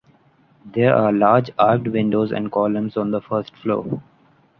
There are large arched windows and columns on the first floor.